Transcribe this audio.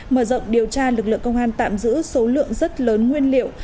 mở rộng điều tra lực lượng công an tạm giữ số lượng rất lớn nguyên liệu